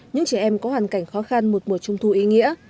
những trẻ em có hoàn cảnh khó khăn một mùa trung thu ý nghĩa